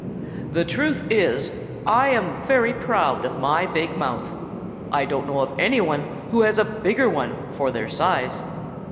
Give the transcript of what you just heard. The truth is, I am very proud of my big mouth. I don't know of any one who has a bigger one for their size."